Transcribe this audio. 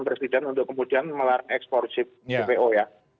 presiden untuk kemudian melarang ekspor jpo ya